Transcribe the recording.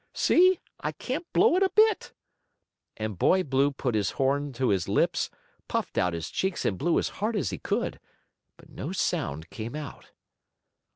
See, I can't blow it a bit." And Boy Blue put his horn to his lips, puffed out his cheeks and blew as hard as he could, but no sound came out.